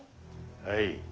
はい。